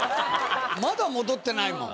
まだ戻ってないもん。